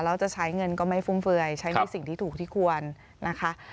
แล้วจะใช้เงินก็ไม่ฟุ่มเฟือยใช้ในสิ่งที่ถูกที่ควรนะคะ